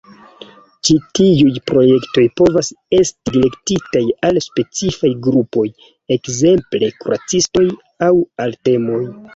Ĉi tiuj projektoj povas esti direktitaj al specifaj grupoj (ekzemple kuracistoj) aŭ al temoj.